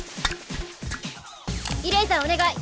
イレイザーお願い！